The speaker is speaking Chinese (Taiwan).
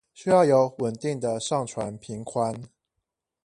需要有穩定的上傳頻寬